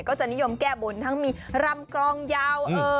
ก็จะนิยมแก้บนทั้งมีรำกรองยาว